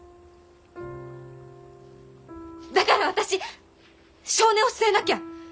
だから私性根を据えなきゃ！